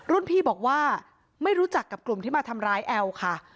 พี่บอกว่าไม่รู้จักกับกลุ่มที่มาทำร้ายแอลค่ะ